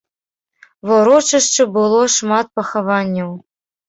Ва ўрочышчы было шмат пахаванняў.